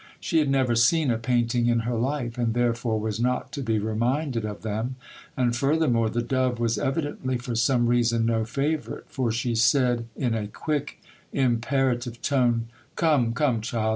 She had never seen a painting in her life, and therefore was not to be reminded of them; and furthermore, the dove was evidently, for some reason, no favourite,—for she said, in a quick, imperative tone, 'Come, come, child!